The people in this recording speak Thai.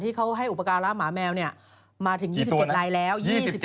ที่เขาให้อุปการณ์ละหมาแมวเนี่ยมาถึง๒๗รายแล้วสี่ตัวนะ